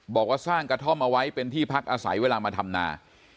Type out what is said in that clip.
บอกว่าสร้างกระท่อมเอาไว้เป็นที่พักอาศัยเวลามาทำนา